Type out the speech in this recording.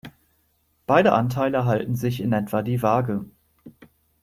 Beide Anteile halten sich in etwa die Waage.